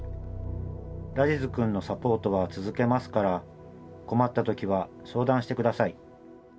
「ラジズくんのサポートは続けますから困ったときは相談してください」。